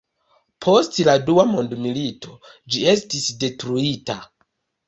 Post la dua mondmilito ĝi estis detruita.